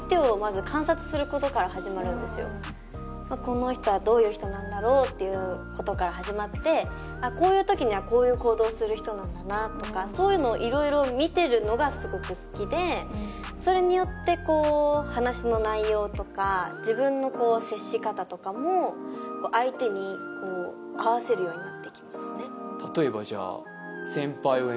この人はどういう人なんだろうっていうことから始まってこういうときにこういう行動をする人なんだなとかそういうのを色々見てるのがすごく好きでそれによって話の内容とか自分の接し方とかも相手に合わせるようになってきますね